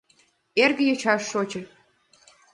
Эрге йочашт шочын.